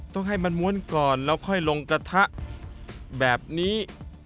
ต้องให้มันม้วนก่อนแล้วค่อยลงกระทะแบบนี้